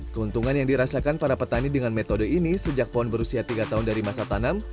keuntungan yang dirasakan para petani dengan metode ini sejak pohon berusia tiga tahun dari masa tanam